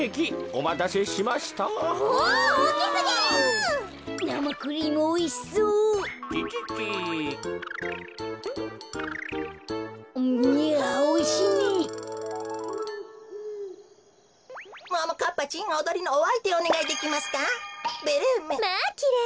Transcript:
まあきれい。